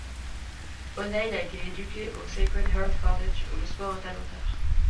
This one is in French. O'Neill a été éduqué au Sacred Heart College où le sport est à l'honneur.